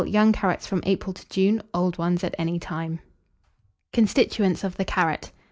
Young carrots from April to June, old ones at any time. CONSTITUENTS OF THE CARROT.